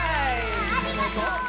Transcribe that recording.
ありがとう！